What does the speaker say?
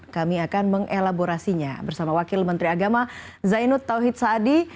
kami akan mengelaborasinya bersama wakil menteri agama zainud tauhid saadi